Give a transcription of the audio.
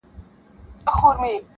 دا ربات یې دی هېر کړی له پېړیو-